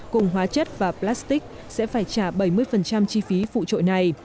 cùng hóa chất và plastic sẽ phải trả bảy mươi chi phí phụ trội này